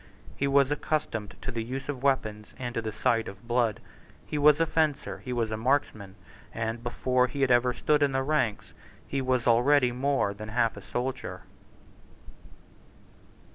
He was accustomed to the use of weapons and to the sight of blood: he was a fencer; he was a marksman; and, before he had ever stood in the ranks, he was already more than half a soldier.